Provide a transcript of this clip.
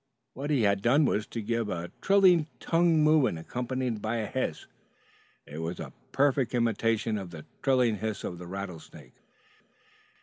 What he had done was to give a trilling tongue movement accompanied by a hiss. It was a perfect imitation of the trilling hiss of the rattlesnake.